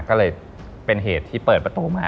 ก็เลยเป็นเหตุที่เปิดประตูมา